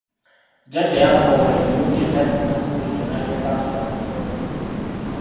Jjajja yankowoola emirundi essatu nga siwulira n’alyokka answanyuula obuggo.